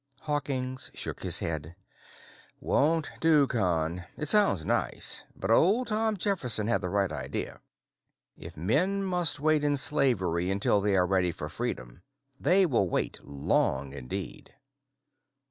Hawkins shook his head. "Won't do, Con. It sounds nice, but old Tom Jefferson had the right idea. 'If men must wait in slavery until they are ready for freedom, they will wait long indeed.'"